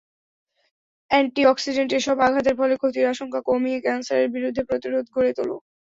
Antioxidant এসব আঘাতের ফলে ক্ষতির আশঙ্কা কমিয়ে ক্যানসারের বিরুদ্ধে প্রতিরোধ গড়ে তোলে।